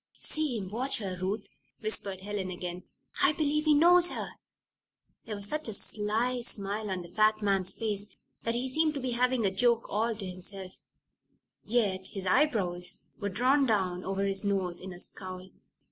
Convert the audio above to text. "See him watch her, Ruth?" whispered Helen again. "I believe he knows her." There was such a sly smile on the fat man's face that he seemed to be having a joke all to himself; yet his eyebrows were drawn down over his nose in a scowl.